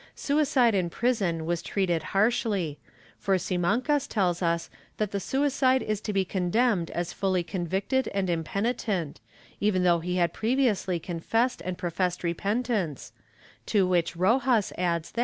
■• Suicide in prison was treated harshly, for Simancas tells us that the suicide is to be condemned as fully convicted and impenitent, even though he had previously con fessed and professed repentance, to which Rojas adds that.